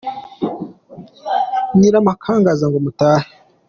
nyiramakangaza ngo mutahe.